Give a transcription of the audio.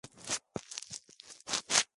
Nace en una región de Londres, Reino Unido.